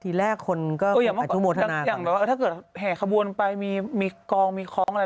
ทีแรกคนก็อย่างเมื่อก่อนอย่างแบบว่าถ้าเกิดแห่ขบวนไปมีมีกองมีคล้องอะไร